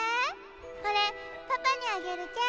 これパパにあげるけえ。